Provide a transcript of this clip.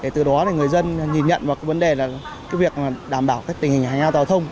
từ đó thì người dân nhìn nhận vào cái vấn đề là cái việc đảm bảo cái tình hình hành hạng giao thông